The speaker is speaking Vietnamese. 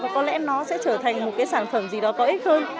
có lẽ nó sẽ trở thành một cái sản phẩm gì đó có ích hơn